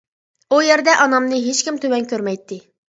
ئۇ يەردە ئانامنى ھېچكىم تۆۋەن كۆرمەيتتى.